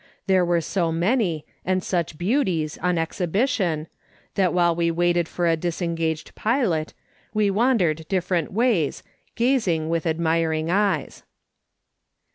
There were so many, and such beauties, on exhibition, that while we waited for a disengaged pilot, we vraudered different ways, gazing with admiring eyes.